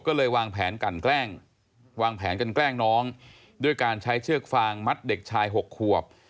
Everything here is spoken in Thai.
ก็เลยวางแผนกันแกล้งวางแผนกันแกล้งน้องด้วยการใช้เชือกฟางมัดเด็กชาย๖ขวบ